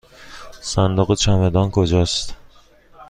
صندوق چمدان کجاست؟